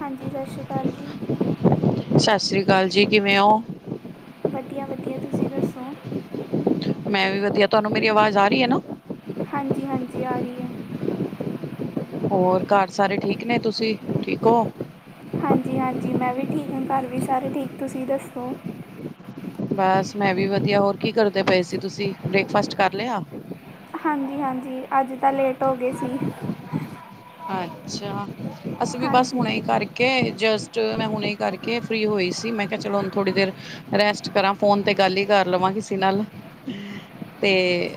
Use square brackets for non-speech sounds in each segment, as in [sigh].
ਹਾਂਜੀ ਸ਼ਸਰੀਕਾਲ ਜੀ। ਸ਼ਸ਼ਰੀਕਾਲ ਜੀ, ਕਿਵੇਂ ਓ ਵਧੀਆ-ਵਧੀਆ ਤੁਸੀਂ ਦੱਸੋਂ? ਮੈਂ ਵੀ ਵਧੀਆ, ਤੁਹਾਨੂੰ ਮੇਰੀ ਅਵਾਜ਼ ਆ ਰੀ ਐ ਨਾ? ਹਾਂਜੀ- ਹਾਂਜੀ ਆ ਰਹੀ ਐ। ਹੋਰ ਘਰ ਸਾਰੇ ਠੀਕ ਨੇ, ਤੁਸੀ ਠੀਕ ਹੋ? ਹਾਂਜੀ- ਹਾਂਜੀ ਮੈਂ ਵੀ ਠੀਕ, ਘਰ ਵੀ ਸਾਰੇ ਠੀਕ, ਤੁਸੀ ਦੱਸੋ? ਬਾਸ ਮੈਂਵੀ ਵਧੀਆ, ਹੋਰ ਕੀ ਕਰਦੇ ਪਏ ਸੀ ਤੁਸੀ, ਬ੍ਰੇਕਫਾਸਟ ਕਰ ਲਿਆ? ਹਾਂਜੀ -ਹਾਂਜੀ, ਅੱਜ ਤਾਂ ਲੇਟ ਹੋਗੇ ਸੀ। ਅੱਛਾ, ਅਸੀ ਵੀ ਬਸ ਹਾਂਜੀ ਹੁਣੇ ਈ ਕਰ ਕੇ, ਜਸਟ ਮੈਂ ਹੁਣੇ ਈ ਕਰਕੇ ਫਰੀ ਹੋਈ ਸੀ, ਮੈਂ ਕਿਆ ਚਲੋ ਹੁਣ ਥੋੜ੍ਹੀ ਦੇਰ ਰੈਸਟ ਕਰਾਂ, ਫੋਨ ਤੇ ਗੱਲ ਈ ਕਰ ਲਵਾਂ ਕਿਸੀ ਨਾਲ, ਤੇ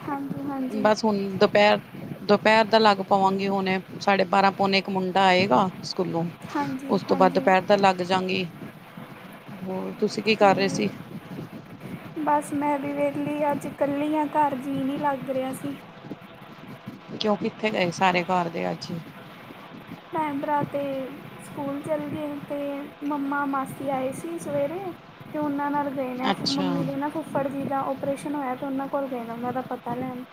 ਹਾਂਜੀ ਹਾਂਜੀ ਬਸ ਹੁਣ ਦੁਪੈਰ, ਦੁਪੈਰ ਦਾ ਲੱਗ ਪਵਾਂਗੀ ਹੁਨੇ। ਸਾਢੇ ਬਾਰਾਂ, ਪੋਨੇ ਇਕ ਮੁੰਡਾ ਆਏਗਾ, ਸਕੂਲੋਂ, ਹਾਂਜੀ ਉਸ ਤੋਂ ਬਾਅਦ ਹਾਂਜੀ ਦੁਪੈਰ ਤਾਂ ਲੱਗ ਜਾਂਗੀ, ਹੋਰ ਤੁਸੀ ਕੀ ਕਰ ਰਏ ਜੀ ਸੀ? ਬਸ ਮੈਂ ਵੀ ਵਿਹਲੀ ਅੱਜ, ਕੱਲੀ ਆਂ ਘਰ ਜੀਅ ਨੀ ਲੱਗ ਰਿਆ ਸੀ। ਕਿਉਂ ਕਿੱਥੇ ਗਏ, ਸਾਰੇ ਘਾਰ ਦੇ ਅੱਜ? ਭੈਣ-ਭਰਾ ਤੇ ਸਕੂਲ ਚਲ ਗਏ, ਤੇ ਮੰਮਾ ਮਾਸੀ ਆਏ ਸੀ ਸਵੇਰੇ ਤੇ, ਉਹਨਾਂ ਨਾਲ ਗਏ ਨੇ, ਫ ਅੱਛਾ, ਮੰਮੀ ਦੇ ਨਾਂ ਫੁੱਫੜ ਜੀ ਦਾ ਓਪਰੇਸ਼ਨ ਹੋਇਆ ਤੇ ਉਹਨਾਂ ਕੋਲ ਗਏ ਨੇ ਉਨਾਂ ਦਾ ਪਤਾ ਲੈਣ।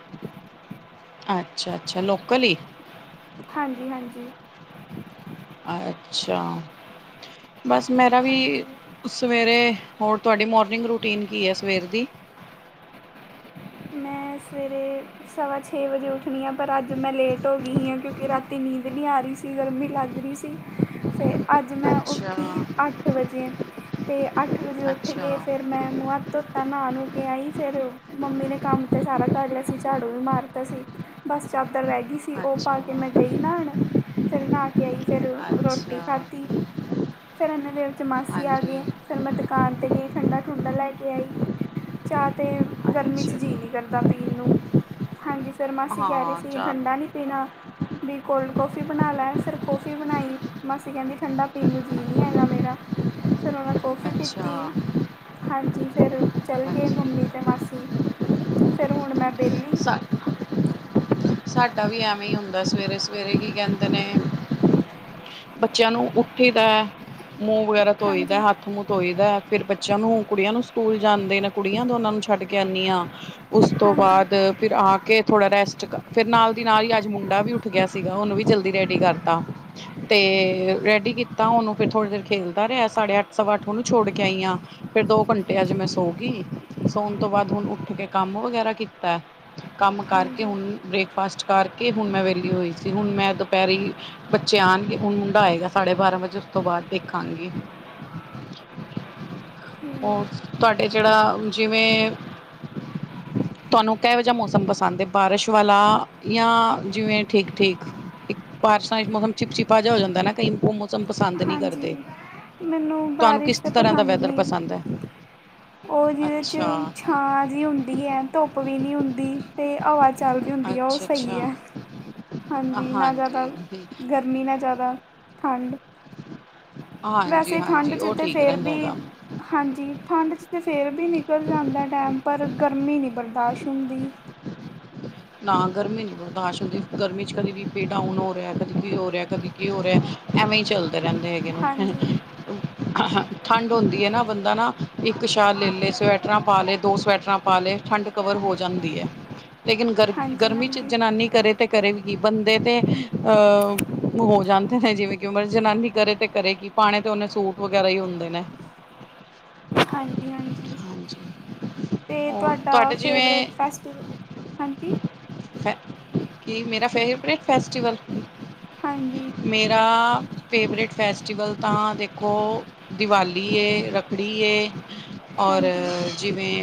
ਆਛਾ- ਆੱਛਾ ਲੋਕਲ ਹੀ ਹਾਂਜੀ -ਹਾਂਜੀ। ਅੱਛਾ, ਬਸ ਮੇਰਾ ਵੀ ਹਾਂਜੀ ਸਵੇਰੇ, ਹੋਰ ਤੁਹਾਡੀ ਮੌਰਨਿੰਗ ਰੂਟੀਨ ਕੀ ਐ, ਸਵੇਰ ਦੀ? ਮੈਂ ਸਵੇਰੇ, ਸਵਾ ਛੇ ਵਜੇ ਉਠ ਨੀ ਆਂ, ਪਰ ਅੱਜ ਮੈਂ ਲੇਟ ਹੋਗੀ ਹੀਂ ਆਂ ਕਿਉਂਕਿ ਰਾਤੀ ਨੀਂਦ ਨੀਂ ਆ ਰਹੀ ਸੀ, ਗਰਮੀ ਲੱਗ ਰਹੀ ਸੀ। ਫੇਰ ਅੱਜ ਮੈਂ ਅੱਛਾ, ਉੱਠੀ ਅੱਠ ਵਜੇ ਅਂ ਤੇ ਅੱਠ ਵਜੇ ਉੱਠ ਅੱਛਾ, ਕੇ ਫਿਰ ਮੈਂ ਮੁੂੰਹ ਹੱਥ ਧੋਤਾ ਨਾਂ-ਨੂੰ ਕੇ ਆਈ ਫਿਰ ਮੰਮੀ ਨੇ ਕੰਮ ਤੇ ਸਾਰਾ ਕਰ ਲਿਆ ਸੀ, ਝਾੜੂ ਵੀ ਮਾਰਤਾ ਸੀ, ਬਸ ਚਾਦਰ ਰੈ ਗਈ ਸੀ। ਓਹ ਪਾ ਕੇ ਅੱਛਾ, ਮੈਂ ਗਈ ਨਾਂ ਹੁਣ ਫਿਰ ਨਾਂਅ ਕੇ ਅਈ, ਫਿਰ ਰੋਟੀ ਅੱਛਾ ਖਾਧੀ। ਫਿਰ ਇਨਾ ਦੇ ਵਿੱਚ ਮਾਸੀ ਹਾਂਜੀ ਆਗੇ ਫਿਰ ਮੈਂ ਦਕਾਨ 'ਤੇ ਗਈ, ਠੰਡਾ- ਠੁੰਡਾ ਲੈ ਕੇ ਆਈ। ਚਾਅ ਤੇ ਗਰਮੀ 'ਚ ਅੱਛਾ ਜੀ ਜੀਅ ਨੀਂ ਕਰਦਾ ਪੀਣ ਨੂੰ, ਹਾਂਜੀ ਫਿਰ ਮਾਸੀ ਕੈਅਰੇ ਹਾਂ ਸੀਗੇ ਚਾਰ ਠੰਡਾ ਨੀ ਪੀਣਾ। ਵੀ ਕੋਲਡ ਕੋਫੀ ਬਣਾ ਲੈ ਫਿਰ ਕੋਫੀ ਬਣਾਈ। ਮਾਸੀ ਕੈਂਦੀ ਠੰਡਾ ਪੀਣ ਨੂੰ ਜੀਅ ਨੀਂ ਹੈਗਾ ਮੇਰਾ, ਫਿਰ ਉਹਨਾ ਕੋਫੀ ਅੱਛਾ ਪੀਤੀ। ਹਾਂਜੀ ਫਿਰ ਚਲਗੇ ਮੰਮੀ ਹਾਂਜੀ ਤੇ ਮਾਸੀ, ਫਿਰ ਹੁਣ ਮੈਂ ਵੇਅਲੀ। ਸਾਢਾ ਵੀ ਐਵਏਂ ਈ ਹੁੰਦੈ ਸਵੇਰੇ- ਸਵੇਰੇ ਕੀ ਕੈਂਦੇ ਨੇਅ ਬੱਚਿਆਂ ਨੂੰ ਉੱਠੀਦੈ ਮੂੰ ਵਗੈਰਾ ਧੋਈ ਦੈ ਹਾਂਜੀ ਹੱਥ ਮੂੰ ਧੋਈ ਦੈ, ਫਿਰ ਬੱਚਿਆਂ ਨੂੰ ਕੁੜੀਆ ਨੂੰ ਸਕੂਲ ਜਾਂਦੇਨ ਕੁੜੀਆਂ ਦੋਨਾਂ ਨੂੰ ਛੱਡ ਕੇ ਆਂਨੀਆਂ, ਉਸ ਤੋ ਹਾਂਜੀ ਬਾਅਦ ਫਿਰ ਆ ਕੇ ਥੋੜ੍ਹਾ ਰੈਸਟ ਕਰ ਫਿਰ ਨਾਲ ਦੀ ਨਾਲੀ ਅੱਜ ਮੁੰਡਾ ਵੀ ਉੱਠ ਗਿਆ ਸੀਗਾ ਉਹਨੂੰ ਵੀ ਜਲਦੀ ਰੈਡੀ ਕਰਤਾ। ਤੇ ਰੈਡੀ ਕੀਤਾ ਉਹਨੂੰ ਫਿਰ ਥੋੜ੍ਹੀ ਦੇਰ ਖੇਲਦਾ ਰਿਆ ਸਾਢੇ ਅੱਠ ਸਵਾ ਅੱਠ ਉਹਨੂੰ ਛੋੜ ਕੇ ਆਈਆਂ। ਫੇਰ ਦੋ ਘੰਟੇ ਅੱਜ ਮੈਂ ਸੌ ਗਈ ਸੌਣ ਤੋਂ ਬਾਅਦ ਹੁਣ ਉੱਠ ਕੇ ਕੰਮ ਵਗੈਰਾ ਕੀਤਾ। ਕੰਮ ਕਰਕੇ ਹਾਂਜੀ ਹੁਣ ਬ੍ਰੇਕਫਾਸਟ ਕਰਕੇ ਹੁਣ ਮੈਂ ਵਿਹਲੀ ਹੋਈ ਸੀ ਹੁਣ ਮੈਂ ਦੁਪਹਿਰੀ ਬੱਚੇ ਆਉਣਗੇ ਹੁਨ ਮੁੰਡਾ ਆਏਗਾ ਸਾਢੇ ਬਾਰਾਂ ਵਜੇ ਉਸ ਤੋਂ ਬਾਅਦ ਦੇਖਾਂਗੀ। ਹੋਰ ਤੁਹਾਡੇ ਜਿਹੜਾ ਜਿਵੇਂ ਤੁਹਾਨੂੰ ਕਿਹੋ ਜਿਹਾ ਮੌਸਮ ਪਸੰਦ ਏ ਬਾਰਿਸ਼ ਵਾਲਾ ਯਾ ਜਿਵੇਂ ਠੀਕ-ਠੀਕ? ਇੱਕ ਪਾਰਸ਼ਾਂ ਚ ਮੌਸਮ ਚਿਪਚਿਪਾ ਜਿਹਾ ਹੋ ਜਾਂਦਾ ਨਾ ਕਈ ਪਸੰਦ ਨਹੀਂ ਕਰਦੇ ਹਾਂਜੀ ਮੈਨੂੰ ਤੁਹਾਨੂੰ ਕਿਸ ਬਾਰਿਸ਼ ਤਾਂ ਤਰ੍ਹਾਂ ਦਾ ਪਸੰਦ ਵੈਦਰ ਨਹੀਂ ਪਸੰਦ ਐ? ਉਹ ਜਿਹਦੇ ਚ ਛਾਂ ਜੀ ਹੁੰਦੀ ਐ ਧੁੱਪ ਵੀ ਨਹੀਂ ਹੁੰਦੀ ਤੇ ਚੱਲ ਰਈ ਹੁੰਦੀ ਐ ਉਹ ਸਹੀ ਅੱਛਾ-ਅੱਛਾ, ਐ। ਹਾਂਜੀ ਨਾ ਜ਼ਿਆਦਾ ਹਾਂਜੀ। ਗਰਮੀ ਨਾ ਜ਼ਿਆਦਾ ਠੰਡ ਵੈਸੇ ਠੰਢ ਹਾਂਜੀ-ਹਾਂਜੀ, ਚ ਉਹ ਤੇ ਠੀਕ ਫੇਰ ਰਹਿੰਦਾ ਵੀ ਹੈਗਾ। ਹਾਂਜੀ ਠੰਡ 'ਚ ਤਾਂ ਫੇਰ ਵੀ ਨਿਕਲ ਜਾਂਦਾ ਟੈਮ ਪਰ ਗਰਮੀ ਨਹੀਂ ਬਰਦਾਸ਼ਤ ਹੁੰਦੀ। ਨਾ ਗਰਮੀ ਨਹੀਂ ਬਰਦਾਸ਼ ਹੁੰਦੀ ਗਰਮੀ ਚ ਕਦੇ ਵੀ ਬੀ ਪੀ ਡਾਊਨ ਹੋ ਰਿਹਾ, ਕਦੀ ਕੀ ਹੋ ਰਿਹਾ, ਕਦੀ ਕੀ ਹੋ ਰਿਹਾ ਐਵੇਂ ਹੀ ਚੱਲਦੇ ਰਹਿੰਦੇ ਹੈਗੇ ਨੇ ਹਾਂਜੀ ਠੰਡ ਹੁੰਦੀ ਐ ਨਾ ਬੰਦਾ ਨਾ ਇੱਕ ਸ਼ਾਲ ਲੈ ਲੈ ਸਵੈਟਰਾਂ ਪਾ ਲਏ ਦੋ ਸਵੈਟਰਾਂ ਪਾ ਲਏ ਠੰਡ ਕਵਰ ਹੋ ਜਾਂਦੀ ਐ ਲੇਕਿਨ ਗਰ ਹਾਂਜੀ ਗਰਮੀ ਚ ਹਾਂਜੀ ਜਨਾਨੀ ਕਰੇ ਤੇ ਕਰੇ ਵੀ ਕੀ ਬੰਦੇ ਤੇ ਅਹ ਹੋ ਜਾਂਦੇ ਨੇ ਜਿਵੇਂ ਕਿ ਉਮਰ ਜਨਾਨੀ ਕਰੇ ਤੇ ਕਰੇ ਕੀ ਪਾਣੇ ਤੇ ਉਹਨੇ ਸੂਟ ਵਗੈਰਾ ਈ ਹੁੰਦੇ ਨੇ ਹਾਂਜੀ-ਹਾਂਜੀ ਹਾਂਜੀ ਤੇ ਹੋਰ ਤੁਹਾਡਾ ਤੁਹਾਡੇ ਜਿਵੇਂ ਫੇਵਟ ਫੈਸਟੀਵਲ ਹਾਂਜੀ। ਹੈ ਕੀ ਮੇਰਾ ਫੇਵਰੇਟ ਫੈਸਟੀਵਲ ਹਾਂਜੀ ਮੇਰਾ ਫੇਵਰੇਟ ਫੈਸਟੀਵਲ ਤਾਂ ਦੇਖੋ ਦੀਵਾਲੀ ਏ ਰੱਖੜੀ ਏ ਔਰ ਹਾਂਜੀ ਜਿਵੇਂ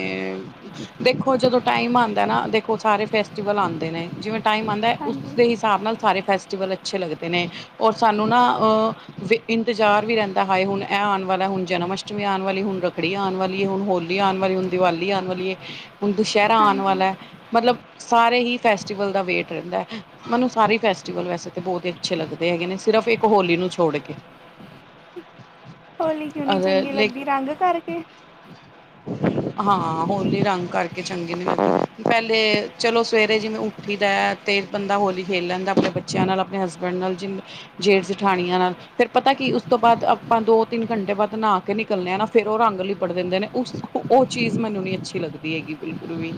ਦੇਖੋ ਜਦੋਂ ਟਾਈਮ ਆਦਾ ਨਾ ਦੇਖ ਸਾਰੇ ਫੈਸਟੀਵਲ ਆਦੇ ਨੇ ਜਿਵੇਂ ਟਾਈਮ ਆਦਾ ਐ ਹਾਂਜੀ ਉਸਦੇ ਹਿਸਾਬ ਨਾਲ ਸਾਰੇ ਫੈਸ ਵਲ ਅੱਛੇ ਲਗਦੇ ਨੇ ਔਰ ਸਾਨੂੰ ਨਾ ਅਹ ਇੰਤਜ਼ਾਰ ਵੀ ਰਹਿੰਦਾ ਹੁਣ ਇਹ ਆਣ ਵਾਲਾ ਹੁਣ ਜਨਮ ਅਸ਼ਟਮੀ ਆਣ ਵਾਲੀ ਹੁਣ ਰੱਖੜੀ ਆਣ ਵਾਲੀ ਏ ਹੁਣ ਹੋਲੀ ਆਣ ਵਾਲੀ ਹੁਣ ਦੀਵਾਲੀ ਆਣ ਵਾਲੀਏ ਹੁਣ ਦੁਸਹਿਰਾ ਆਣ ਹਾਂਜੀ ਵਾਲਾ ਮਤਲਬ ਸਾਰੇ ਈ ਫੈਸਟੀਵਲ ਦਾ ਵੇਟ ਰੇੰਦਾ ਮੈਨੂੰ ਸਾਰੇ ਈ ਫੈਸਟੀਵਲ ਵੈਸੇ ਤਾਂ ਬੋਹਤ ਈ ਅੱਛੇ ਲੱਗਦੇ ਹੈਗੇ ਨੇ ਸਿਰਫ਼ ਇੱਕ ਹੋਲੀ ਨੂੰ ਛੋੜ ਕੇ ਹੋਲੀ ਕਿਉ ਨੀ ਚੰਗੀ ਲੱਗਦੀ ਲਾਈਕ ਰੰਗ ਕਾਰਕੇ? ਹਾਂ ਹੋਲੀ ਰੰਗ ਕਰਕੇ ਚੰਗੀ ਨੀ ਲੱਗਦੀ ਪੈਲੇ ਚਲੋ ਸਵੇਰੇ ਜਿਵੇਂ ਉੱਠੀ ਦਾ ਤੇ ਬੰਦਾ ਹੋਲੀ ਖੇਲ ਲੈਂਦਾ ਅਪਣੇ ਬੱ ਚੇਆਂ ਨਾਲ ਆਪਣੇ ਹਸਬੈਂਡ ਨਾਲ ਜਿੰ ਜੇਲ ਜਠਾਣੀਆਂ ਨਾਲ ਫੇਰ ਪਤਾ ਕੀ ਉਸ ਤੋਂ ਬਾਅਦ ਆਪਾਂ ਦੋ-ਤਿੰਨ ਘੰਟੇ ਬਾਦ ਨਾਹ ਤੇ ਨਿਕਲਣੇ ਆ ਨਾ ਫੇਰ ਓ ਰੰਗ ਲਿਪੜ ਦਿੰਦੇ ਨੇ ਓ ਚੀਜ਼ ਮੈਨੂੰ ਨੀ ਅੱਛੀ ਲੱਗਦੀ ਹੈਗੀ ਬਿਲਕੁਲ ਵੀ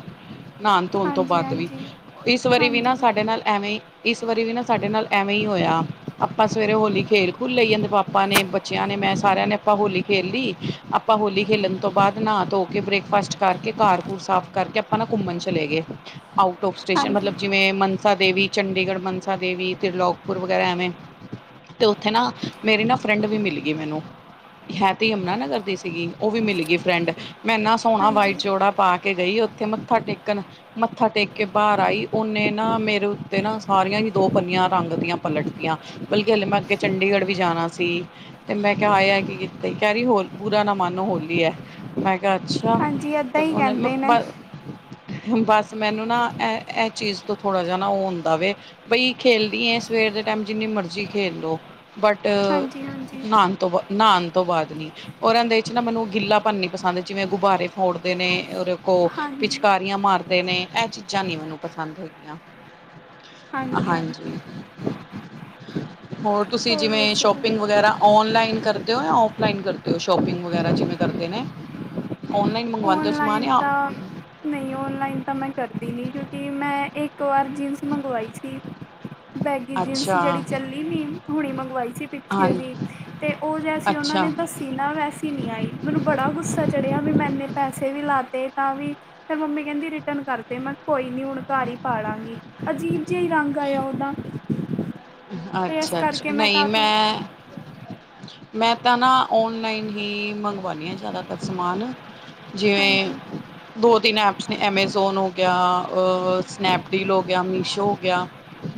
ਨਾਣ-ਧੋਣ ਤੋਂ ਹਾਂਜੀ ਬਾਦ ਵੀ ਹਾਂਜੀ ਇਸ ਵਾਰੀ ਵੀ ਹਾਂਜੀ ਨਾ ਸਾਡੇ ਨਾਲ ਐਵੇਂ ਈ ਇਸ ਵਾਰੀ ਵੀ ਨਾ ਸਾਡੇ ਨਾਲ ਐਵੇਂ ਈ ਹੋਯਾ ਆਪਾਂ ਸਵੇਰੇ ਹੋਲੀ ਖੇਲ ਖੁਲ ਲਈ ਜਾਦੇ ਪਾਪਾ ਨੇ ਬੱਚਿਆਂ ਨੇ ਮੈਂ ਸਾਰਿਆਂ ਨੇ ਆਪਾਂ ਹੋਲੀ ਖੇਲ ਲੀ ਆਪਾਂ ਹੋਲੀ ਖੇਲਣ ਤੋਂ ਬਾਅਦ ਨਹਾ-ਧੋ ਕੇ ਬ੍ਰੇਕਫਾਸਟ ਕਰਕੇ ਕਾਰ-ਕੂਰ ਸਾਫ਼ ਕਰਕੇ ਆਪਾ ਨਾ ਕੁੰਮਣ ਚ ਚਲੇ ਗਏ ਆਊਟ ਔਫ ਸਟੇਸ਼ਨ ਹਾਂਜੀ ਮਤਲਬ ਜਿਵੇਂ ਮ ਮਨਸਾ ਦੇਵੀ ਚੰਡੀਗੜ੍ਹ ਮਨਸਾ ਦੇਵੀ ਤ੍ਰਿਲੋਕਪੁਰ ਵਗੈਰਾ ਐਵੇਂ ਤੇ ਓਥੇ ਨਾ ਮੇਰੀ ਨਾ ਫਰੈਂਡ ਵੀ ਮਿਲਗੀ ਮੈਨੂੰ ਹੈ ਤੇ ਯਮਨਾ ਨਗਰ ਦੀ ਸੀਗੀ ਓ ਵੀ ਮਿਲ ਗੀ ਫਰੈਂਡ ਮੈਂ ਨਾਸ ਹੋਣਾ ਹਾਂਜੀ ਵਾਈਟ ਜੋੋੜਾ ਪਾ ਕੇ ਗਈ ਓਥੇ ਮੱਥਾ ਟੇਕਣ ਮੱਥਾ ਟੇਕ ਕੇ ਬਾਹਰ ਆਈ ਓਨੇ ਨਾ ਮੇਰੇ ਉੱਤੇ ਨਾ ਸਾਰੀਆਂ ਈ ਦੋ ਪੰਨੀਆਂ ਰੰਗ ਦੀਆਂ ਪਲਟ ਤੀਆਂ ਬਲਕਿ ਹਲੇ ਮੈਂ ਅੱਗੇ ਚੰਡੀਗੜ੍ਹ ਵੀ ਜਾਣਾ ਸੀ ਤੇ ਮੈਂ ਕੇਆ ਹਾਏ ਐ ਕੀ ਕੀਤਾ ਈ ਕੈ ਰੀ ਬੁਰਾ ਨਾ ਮਨ ਹੋਲੀ ਐ। ਮੈਂ ਕੇਆ ਅੱਛਾ ਹਾਂਜੀ ਇੱਦਾਂ ਤੇ ਹੀ ਓੇਨੇ ਕਹਿੰਦੇ ਨੇ ਮੈਂ [unintelligible] ਬਸ ਮੈਨੂੰ ਨਾ ਐ-ਐ ਚੀਜ਼ ਤੋਂ ਥੋੜ੍ਹਾ ਜੇਹਾ ਨਾ ਓ ਹੁੰਦਾ ਵੇ ਬਈ ਖੇਲਨੀ ਏਦ ਸਵੇਰ ਦੇ ਟਾਈਮ ਜਿੰਨੀ ਮਰਜ਼ੀ ਖੇਲ ਲੋ ਬਟ ਹਾਂਜੀ ਹਾਂਜੀ ਨਾਣ- ਤੋਂ ਨਾਣ ਤੋਂ ਬਾਦ ਨੀ ਔਰ ਐਂਦੇ ਵਿੱਚ ਨਾ ਮੈਨੂੰ ਗਿੱਲਾ ਪਣ ਨੀ ਪਸੰਦ ਜਿਵੇਂ ਗੁਬਾਰੇ ਫੋੜਦੇ ਨੇ ਔਰ ਇੱਕ ਓ ਹਾਂਜੀ ਰੀਆ ਮਾਰਦੇ ਨੇ ਐ ਚੀਜ਼ਾਂ ਨੀ ਮੈਨੂੰ ਪਸੰਦ ਹੈਗੀਆਂ, ਹਾਂਜੀ। ਹੋਰ ਤੁਸੀਂ ਜਿਵੇਂ ਦੱਸੋ ਜੀ ਸ਼ੋਪਿੰਗ ਵਗੈਰਾ ਔਨਲਾਈਨ ਕਰਦੇ ਓ ਯਾਂ ਔਫਲਾਈਨ ਕਰਦੇ ਓ ਸ਼ੋਪਿੰਗ ਵਗੈਰਾ ਜਿਵੇਂ ਕਰਦੇ ਨੇ ਔਨਲਾਈਨ ਮੰਗਵਾਉਂਦੇ ਹੋ ਸਮਾਨ ਔਨਲਾਈਨ ਜਾਂ ਤਾ ਨਈ ਔਨਲਾਈਨ ਤਾਂ ਮੈਂ ਕਰਦੀ ਨੀ ਕਿਉਂਕਿ ਮੈਂ ਇੱਕ ਵਾਰ ਜੀਨਸ ਮੰਗਵਾਈ ਸੀ ਬੈਗੀ ਜੀਨਸ ਅੱਛਾ ਜੇੜੀ ਚੱਲੀ ਨੀ ਹੁਣੇ ਮੰਗਵਾਈ ਸੀ ਹਾਂ ਪਿੱਛੇ ਜੀ ਤੇ ਓ ਨਾ ਤੇ ਜਿ ਸੀ ਓਨਾਂ ਨੇ ਅੱਛਾ ਤਾ-ਭੱ਼- ਸੀ ਨਾ ਵੈਸੇ ਨੀ ਆਈ ਮੈਨੂੰ ਬੜਾ ਗੁੱਸਾ ਚੜਿਆ ਵੀ ਮੈਂ ਐਨੇ ਪੈਸੇ ਵੀ ਲਾਤੇ ਤਾਂਵੀ ਫਿਰ ਮੰਮੀ ਕੈਂਦੀ ਰਿਟਨ ਕਾਰਦੇ ਮੈਂ ਕੇਆ ਕੋਈ ਨੀ ਹੁਣ ਕੱਰ ਈ ਪਾਲਾਂਗੀ। ਅਜੀਬ ਜੇਆ ਈ ਰੰਗ ਆਯਾ ਓਦਾ। ਅੱਛਾ-ਅੱਛਾ ਨਈ ਤਾਂ ਤੂੰ ਮੈਂ ਮੈਂ ਤਾਂ ਨਾ ਔਨਲਾਈਨ ਹੀ ਮੰਗਵਾਣੀ ਆਂ ਜਾਦਾਤਰ ਸਮਾਨ ਜਿਵੇਂ ਹਾਂਜੀ ਦੋ-ਤਿੰਨ ਐਪਸ ਨੇ ਐਮੇਜ਼ੋਨ ਹੋ ਗਯਾ, ਅ ਸਨੈਪਡੀਲ ਹੋ ਗਯਾ, ਮੀਸ਼ੋ ਹੋ ਗਯਾ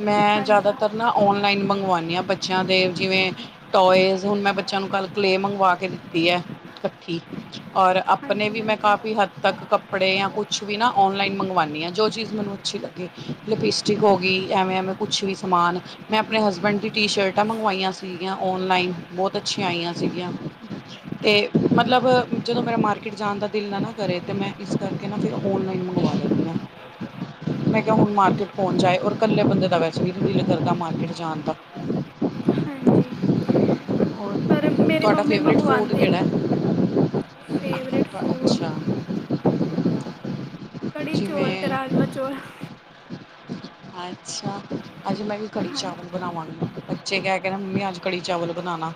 ਮੈਂ ਹਾਂਜੀ ਜਾਦਾਤਰ ਨਾ ਔਨਲਾਈਨ ਮੰਗਵਾਨੀ ਆ ਬੱਚਿਆਂ ਦੇ ਜਿਵੇਂ ਟੋਏਜ਼ ਹੁਣ ਮੈਂ ਬੱਚਿਆਂ ਨੂੰ ਕੱਲ ਕਲੇਅ ਮੰਗਵਾ ਕੇ ਦਿੱਤੀ ਐ ਕੱਠੀ। ਔਰ ਆਪਣੇ ਹਾਂਜੀ ਵੀ ਮੈਂ ਹਾਂਜੀ ਕਾਫ਼ੀ ਹੱਦ ਤੱਕ ਕੱਪੜੇ ਯਾਂ ਕੁਛ ਵੀ ਨਾ ਔਨਲਾਈਨ ਮੰਗਵਾਣੀ ਆਂ ਜੋ ਚੀਜ਼ ਮੈਨੂੰ ਅੱਛੀ ਲੱਗ ਲਿਪਸਟਿਕ ਹੋਗੀ ਐਵੇਂ-ਐਵੇਂ ਕੁਛ ਵੀ ਸਮਾਨ ਮੈਂ ਅਪਣੇ ਹਸਬੈਂਡ ਦੀ ਟੀ-ਸ਼ਰਟਾਂ ਮੰਗਵਾਇਆ ਸੀਗੀਆਂ ਔਨਲਾਈਨ ਬੋਤ ਅਛਿਆਂ ਆਈਆਂ ਸੀਗੀਆਂ। ਤੇ ਮਤਲਬ ਜਦੋਂ ਮੇਰਾ ਮਾਰਕੀਟ ਜਾਣ ਦਾ ਦਿਲ ਨਾ ਨਾ ਕਰੇ ਤੇ ਮੈਂ ਇਸ ਕਰ ਕਿਨਾ ਫਿਰ ਔਨਲਾਈਨ ਮੰਗਵਾ ਲੈਣੀ ਆ। ਮੈਂ ਕੇਆ ਹੁਣ ਮਾਰਕੀਟ ਪਹੁੰਚ ਜਾਏ ਔਰ ਕੱਲੇ ਬੰਦੇ ਦਾ ਵੈਸੇ ਵੀ ਦਿਲ ਕਰਦਾ ਮਾਰਕਿਟ ਜਾਣ ਦਾ। ਹਾਂਜੀ। ਹੋਰ ਪਰ ਮੇਰੀ ਤੁਹਾਡਾ ਮੰਮੀ ਫੇਵਰੇਟ ਫੂਡ ਮੰਗਵਾਉਂਦੇ ਕੇੜਾ ਨੇ ਐ? ਫੇਵਰੇਟ ਅੱਛਾ। ਫੂਡ ਕੜੀ ਜਿਵੇਂ ਚੌਲ਼ ਤੇ ਰਾਜਮਾਂ ਚੌਲ਼। ਅੱਛਾ ਅੱਜ ਮੈਂ ਵੀ ਕੜੀ ਹਾਂ ਚਾਵਲ ਬਣਾਵਾਂਗੀ ਬੱਚੇ ਕੈ ਕੈਰਾ ਮੰਮੀ ਅੱਜ ਕੜੀ ਚਾਵਲ ਬਣਾਣਾ।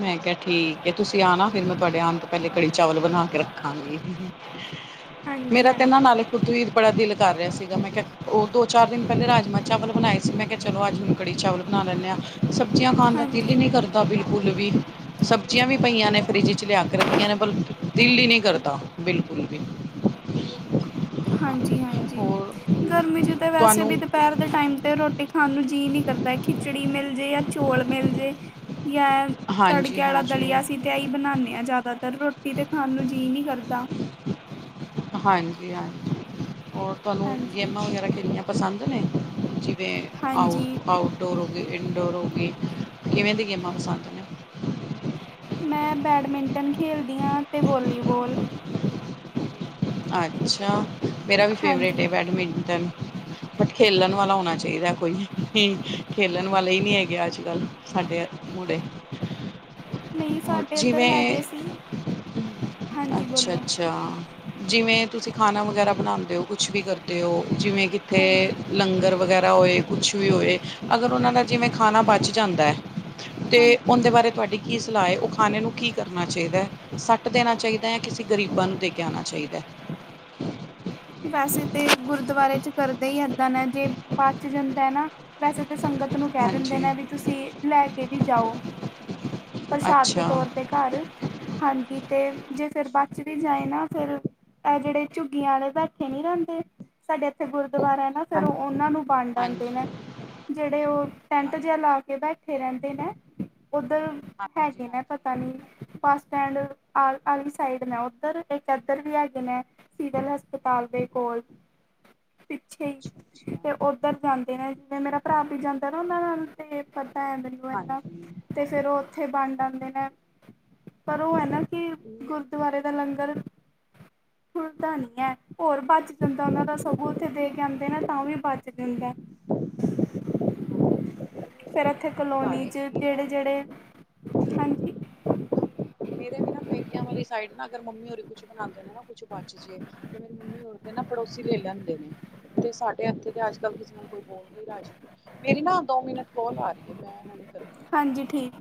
ਮੈਂ ਕੇਆ ਠੀਕ ਐ ਤੁਸੀਂ ਆਨਾ ਫੇਰ ਮੈਂ ਤੁਹਾਡੇ ਆਣ ਤੋਂ ਪੈਲੇ ਕੜੀ ਚਾਵਲ ਬਣਾ ਕੇ ਰੱਖਾਂਗੀ। ਹਾਂਜੀ ਮੇਰਾ ਤੇ ਨਾ ਹਾਂਜੀ ਨਾਲੇ ਖੁਦ ਵੀ ਬੜਾ ਦਿਲ ਕਰ ਰੇਆ ਸੀਗਾ ਮੈਂ ਕੇਆ ਓ ਦੋ-ਚਾਰ ਦਿਨ ਪੈਲੇ ਰਾਜਮਾਂ ਚਾਵਲ ਬਣਾਏ ਸੀ ਮੈਂ ਕੇਆ ਚਲੋ ਅੱਜ ਮ ਕੜੀ ਚਾਵਲ ਬਣਾ ਲੈਂਨੇ ਆ ਸਬਜ਼ੀਆਂ ਖਾਣ ਦਾ ਦਿਲ ਈ ਹਾਂਜੀ ਨੀ ਕਰ ਦਾ ਬਿਲਕੁੱਲ ਵੀ। ਸਬਜ਼ੀਆਂ ਵੀ ਪਈਆਂ ਨੇ ਫਰਿੱਜ 'ਚ ਲਿਆ ਕੇ ਰੱਖਿਆ ਨੇ ਪਰ ਦਿਲ ਈ ਨੀ ਕਰਦਾ ਬਿਲਕੁੱਲ ਵੀ। [inaudible] ਹਾਂਜੀ-ਹਾਂਜੀ ਹੋਰ ਗਰਮੀ ਚ ਤਾਂ ਵੈਸੇ ਤੁਹਾਨੂੰ ਵੀ ਦੁ ਪੈਰ ਦੇ ਟਾਈਮ ਤੇ ਰੋਟੀ ਖਾਣ ਨੂੰ ਜੀਅ ਨੀ ਕਰਦਾ ਖਿਚੜੀ ਮਿਲ ਜੇ ਜਾਂ ਚੋਲ ਮਿਲ ਜੇ ਜਾਂ ਤੜਕੇ ਹਾਂਜੀ ਆਲਾ ਹਾਂਜੀ ਦਲੀਆ ਅਸੀਂ ਤੇ ਐਈ ਬਣਾਨੇ ਆ ਜ਼ਿਆਦਾਤਰ ਰੋਟੀ ਤੇ ਖਾਣ ਨੂੰ ਜੀਅ ਨੀ ਕਰਦਾ। ਹਾਂਜੀ-ਹਾਂਜੀ ਔਰ ਤੁਹਾਨੂੰ ਹਾਂਜੀ ਗੇਮਾਂ ਵਗੈਰਾ ਖੇਲਣੀਆਂ ਪਸੰਦ ਨੇ ਜਿਵੇਂ ਆਓ, ਹਾਂਜੀ ਆਓ ਡੋਰ ਹੋਗੀ, ਇਨਡੋਰ ਹੋਗੀ ਕਿਵੇਂ ਦੀ ਗੇਮਾਂ ਪਸੰਦ ਨੇ? ਮੈਂ ਬੈਡਮਿੰਟਨ ਖੇਲਦੀ ਆ ਤੇ ਵੋਲੀਵੋਲ। ਅੱਛਾ ਮੇਰਾ ਵੀ ਫੇਵਰੇਟ ਏ ਹਾਂਜੀ ਬੈਡਮਿੰਟਨ। ਬਟ ਖੇਲਣ ਵਾਲਾ ਹੋਣਾ ਚਾਈਦਾ ਕੋਈ ਖੇਲਣ ਵਾਲੇ ਈ ਨੀ ਹੈਗੇ ਅੱਜ-ਕੱਲ। ਸਾਡੇ ਮੁੜੇ। ਨਹੀਂ ਹੋਰ ਸਾਡੇ ਇੱਧਰ ਜਿਵੇਂ, ਹੈਗੇ ਸੀ ਹਾਂਜੀ ਬੋਲੋ ਅੱਛਾ-ਅੱਛਾ। ਜਿਵੇਂ ਤੁਸੀਂ ਖਾਣਾ ਵਗੈਰਾ ਬਣਾਂਦੇ ਓ ਕੁਛ ਵੀ ਕਰਦੇ ਓ ਜਿਵੇਂ ਕਿੱਥੇ ਹਾਂਜੀ ਲੰਗਰ ਵਗੈਰਾ ਹੋਏ ਕੁਛ ਵੀ ਹੋਏ ਅਗਰ ਉਨਾਂ ਦਾ ਜਿਵੇਂ ਖਾਣਾ ਬਚ ਜਾਂਦੈਂ ਤੇ ਹਾਂਜੀ ਉਂਦੇ ਬਾਰੇ ਤੁਹਾਡੀ ਕੀ ਸਲਾਅ ਏ ਓ ਖਾਣੇ ਨੂੰ ਕੀ ਕਰਨਾ ਚਾਈਦੈ ਸੱਟ ਦੇਣਾ ਚਾਈਦੈ, ਕਿਸੀ ਗਰੀਬਾਂ ਨੂੰ ਦੇ ਕੇ ਆਣਾ ਚਾਈਦੈ। ਵੈਸੇ ਤੇ ਗੁਰਦੁਵਾਰੇ ਚ ਕਰਦੇ ਈ ਐਦਾਂ ਨੇ ਜੇ ਬਚ ਜਾਂਦਾ ਐ ਨਾ ਵੈਸੇ ਤੇ ਸੰਗਤ ਨੂੰ ਕੈ ਦਿੰਦੇ ਹਾਂਜੀ, ਨੇ ਵੀ ਤੁਸੀਂ ਲੈ ਕੇ ਵੀ ਜਾਓ, ਪ੍ਰਸ਼ਾਦ ਦੇ ਅੱਛਾ। ਤੌਰ ਤੇ ਘਰ ਹਾਂਜੀ ਤੇ ਜੇ ਫੇਰ ਬਚ ਵੀ ਜਾਏ ਨਾ ਫੇਰ ਤਾਂ ਜੇੜੇ ਝੁੱਗੀਆਂ ਆਲੇ ਬੈ ਠੇ ਨੀ ਰੈਂਦੇ ਸਾਡੇ ਇੱਥੇ ਗੁਰਦੁਆਰਾ ਐ ਨਾ ਫੇਰ ਉਨਾਂ ਨੂੰ ਵੰਡ ਆਂਦੇ ਨੇ। ਹਾਂਜੀ ਜੇੜੇ ਓ ਹਾਂ ਟੈਂਟ ਜੇਆ ਲਾ ਕੇ ਬੈਠੇ ਰੈਂਦੇ ਨੇ ਉੱਧਰ ਹਾਂਜੀ ਹੈਗੇ ਨੇ ਹਾਂਜੀ ਪਤਾ ਨੀ। ਬੱਸ ਸਟੈਂਡ ਆਲ ਆਲੀ ਸਾਈਡ ਨੇ ਉੱਧਰ ਇੱਕ ਐਧਰ ਵੀ ਹੈਗੇ ਨੇ ਸਿਵਲ ਹਸਪ ਤਾਲ ਦੇ ਕੋਲ, ਪਿੱਛੇ ਅੱਛਾ ਅੱਛਾ ਈ ਤੇ ਉ ਧਰ ਜਾਂਦੇ ਨੇ ਜਿਵੇਂ ਮੇਰਾ ਭਰਾ ਵੀ ਜਾਂਦਾ ਨਾ ਉਨਾਂ ਨਾਲ ਤੇ ਪਤਾ ਐ ਮੈਨੂੰ ਐਨਾਂ ਹਾਂਜੀ ਤੇ ਫੇਰ ਓ ਉੱਥੇ ਵੰਡ ਆਂਦੇ ਨੇ, ਹਾਂਜੀ ਪਰ ਓ ਐ ਨਾ ਕਿ ਗੁਰਦੁਵਾਰੇ ਦਾ ਲੰਗਰ, ਥੁਰਦਾ ਨੀ ਐ। ਹੋਰ ਬਚ ਜਾਂਦਾ ਉਨਾਂ ਦਾ ਸਗੋਂ ਉੱਥੇ ਦੇ ਕੇ ਆਂਦੇ ਨਾ ਤਾਂ ਵੀ ਬਚ ਜਾਂਦੈਂ। ਫੇਰ ਐਥੇ ਕਲੋਨੀ ਸੁਣਾਏ ਚ ਕਿ ਨਾ ਜੇੜੇ-ਜੇੜੇ, ਹਾਂਜੀ ਮੇਰੇ ਵੀ ਨਾ ਪੇਕਿਆਂ ਵਾਲੀ ਸਾਈਡ ਨਾ ਅਗਰ ਮੰਮੀ ਓਰੀ ਕੁਛ ਬਣਾਂਦੇ ਨੇ, ਨਾ ਕੁਛ ਬਾ ਤੇ, ਮੇਰੀ ਮੰਮੀ ਹੋਰ ਦੇ ਪੜੋਸੀ ਲੈ ਲੈਂਦੇ। ਤੇ ਸਾਡੇ ਇੱਥੇ ਤੇ ਅੱਜ-ਕੱਲ ਕਿਸੇ ਨੂੰ ਕੋਈ ਬੋਲਕੇ ਰਾਜੀ ਨਹੀਂ। ਮੇਰੀ ਨਾ ਦੋ ਮਿਨਟ ਕੌਲ ਆ ਰਹੀ ਏ, ਮੈਂ ਹੁਣ ਕਰਦੀ। ਹਾਂ ਹਾਂਜੀ, ਠੀਕ।